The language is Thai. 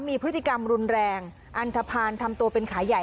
มีพฤติกรรมรุนแรงอันทภาณทำตัวเป็นขายใหญ่